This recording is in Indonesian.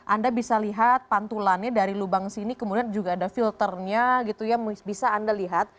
anda bisa lihat pantulannya dari lubang sini kemudian juga ada filternya gitu ya bisa anda lihat